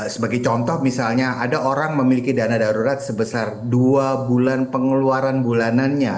sebagai contoh misalnya ada orang memiliki dana darurat sebesar dua bulan pengeluaran bulanannya